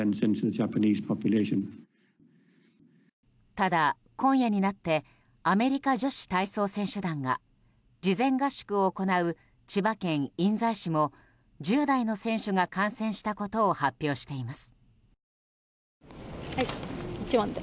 ただ、今夜になってアメリカ女子体操選手団が事前合宿を行う、千葉県印西市も１０代の選手が感染したことを発表しています。